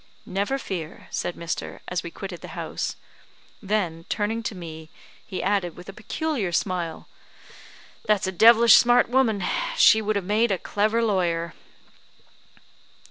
"Never fear," said Mr. , as we quitted the house; then, turning to me, he added, with a peculiar smile," That's a devilish smart woman. She would have made a clever lawyer."